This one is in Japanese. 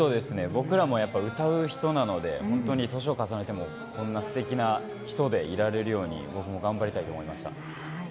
僕らも歌う人なので、本当に年を重ねても、こんなすてきな人でいられるように、僕も頑張りたいと思いました。